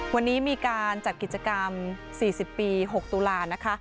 วันนี้มีการจัดกิจกรรม๔๐ปี๖ตุลานะคะ